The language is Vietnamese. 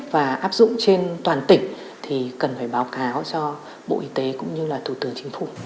và áp dụng trên toàn tỉnh thì cần phải báo cáo cho bộ y tế cũng như là thủ tướng chính phủ